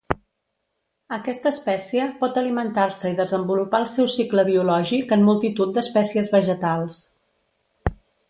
Aquesta espècie pot alimentar-se i desenvolupar el seu cicle biològic en multitud d'espècies vegetals.